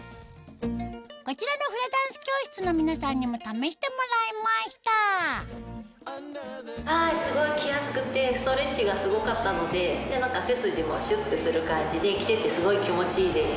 こちらのフラダンス教室の皆さんにも試してもらいましたすごい着やすくてストレッチがすごかったので背筋もシュっとする感じで着ててすごい気持ちいいです。